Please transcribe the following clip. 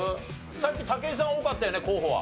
さっき武井さん多かったよね候補は。